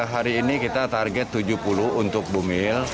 hari ini kita target tujuh puluh untuk ibu hamil